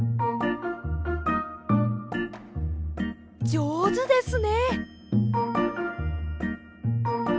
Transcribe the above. じょうずですね！